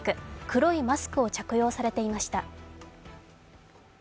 黒いマスクを着用されていました。